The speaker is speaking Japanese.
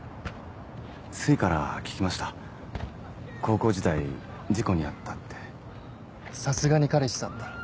すいから聞きました高校時代事故に遭ったってさすがに彼氏さんだ